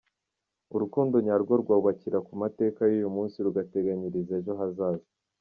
Urukundo nyarwo rwubakira ku mateka y’uyu munsi rugateganyiriza ejo hazaza.